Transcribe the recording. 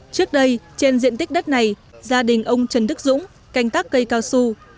trước đây trên diện tích đất này gia đình ông trần đức dũng canh tác cây cao su